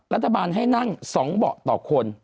รัฐบาลให้นั่ง๒เบาะต่อคน